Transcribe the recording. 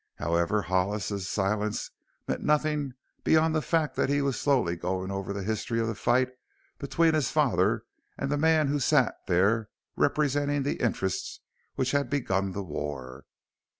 However, Hollis's silence meant nothing beyond the fact that he was going slowly over the history of the fight between his father and the man who sat there representing the interests which had begun the war.